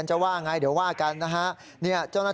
กลับบ้านนะเด็กเดี๋ยวว่าทางโรงเรียนจะว่าไง